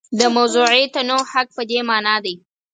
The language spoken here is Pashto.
د موضوعي تنوع حق په دې مانا دی.